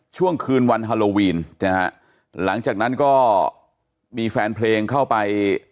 ช่วงคืนวันฮาโลวีนนะฮะหลังจากนั้นก็มีแฟนเพลงเข้าไป